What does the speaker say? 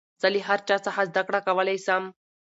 زه له هر چا څخه زدکړه کولاى سم.